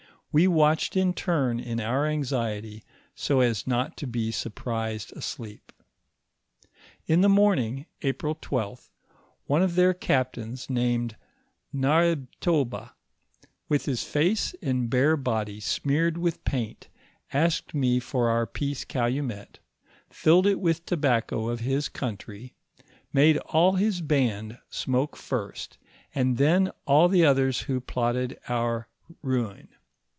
We watched in turn in our anxiety so as not to be surprised asleep. In the morning, April 12th, one of their captains named Karrhetoba, with his face and bare body smeared with paint, asked me for our peace calumet, filled it with tobacco of his country, made all his band smoke first, and then all the others who plotted our ruin.